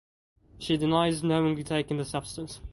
She denies knowingly taking the substance.